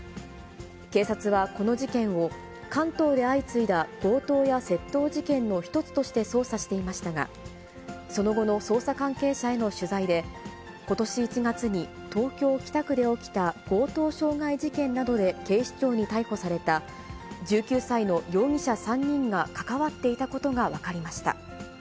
警察はこの事件を関東で相次いだ強盗や窃盗事件の一つとして捜査していましたが、その後の捜査関係者への取材で、ことし１月に東京・北区で起きた強盗傷害事件などで警視庁に逮捕された、１９歳の容疑者３人が関わっていたことが分かりました。